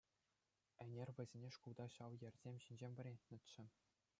Ӗнер вӗсене шкулта ҫав йӗрсем ҫинчен вӗрентнӗччӗ.